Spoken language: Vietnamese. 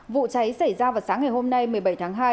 vụ cháy xảy ra vào sáng ngày hôm nay một mươi bảy tháng hai